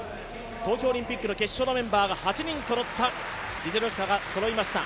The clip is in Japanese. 東京オリンピックの決勝のメンバーが８人そろった実力者がそろいました。